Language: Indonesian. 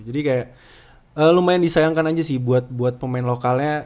jadi kayak lumayan disayangkan aja sih buat pemain lokalnya